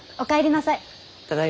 ただいま。